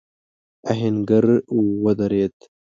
آهنګر ودرېد.